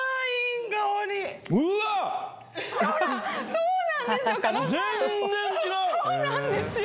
そうなんですよ